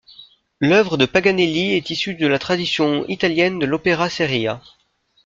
L'œuvre de Paganelli est issue de la tradition italienne de l'opera seria.